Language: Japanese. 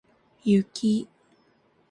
雪